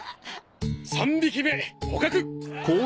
３匹目捕獲！